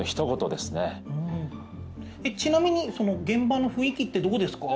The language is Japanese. ちなみに現場の雰囲気ってどうですか？